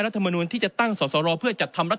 รัฐมนตรีที่จะตั้งสอสรอเพื่อจัดทำ